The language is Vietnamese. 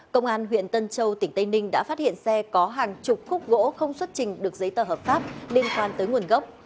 công an huyện tân châu tỉnh tây ninh đã phát hiện xe có hàng chục khúc gỗ không xuất trình được giấy tờ hợp pháp liên quan tới nguồn gốc